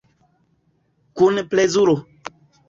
Kun plezuro.